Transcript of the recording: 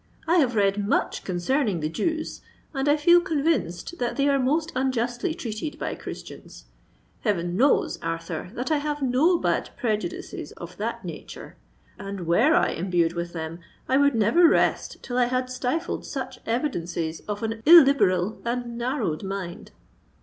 "I have read much concerning the Jews, and I feel convinced that they are most unjustly treated by Christians. Heaven knows, Arthur, that I have no bad prejudices of that nature; and were I imbued with them, I would never rest till I had stifled such evidences of an illiberal and narrowed mind."